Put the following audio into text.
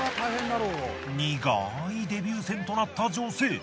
苦いデビュー戦となった女性。